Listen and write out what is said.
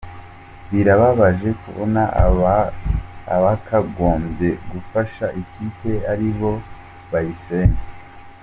Birababaje kubona abakagombye gufasha ikipe aribo bayisenya.